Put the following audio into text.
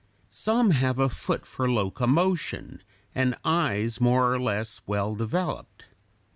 Some have a foot for locomotion and eyes more or less well developed.